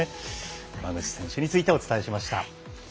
山口選手についてお伝えしました。